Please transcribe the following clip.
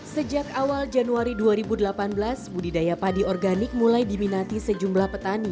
sejak awal januari dua ribu delapan belas budidaya padi organik mulai diminati sejumlah petani